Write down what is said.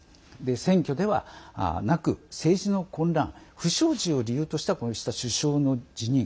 選挙ではなく政治の混乱不祥事を理由としたこういった首相の辞任。